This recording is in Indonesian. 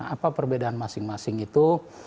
apa perbedaan masing masing itu